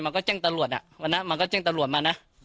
มันก็เจ้งตลวดอ่ะวันนั้นมันก็เจ้งตลวดมานะ